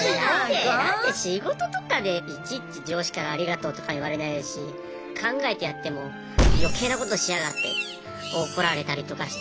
だって仕事とかでいちいち上司からありがとうとか言われないですし考えてやっても怒られたりとかして。